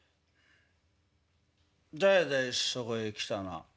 「誰だいそこへ来たのは。